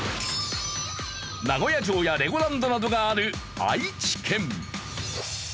名古屋城やレゴランドなどがある愛知県。